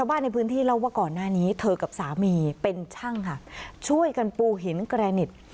บ้านในพื้นที่เล่าว่าก่อนหน้านี้เธอกับสามีเป็นช่างค่ะช่วยกันปูหินแกรนิด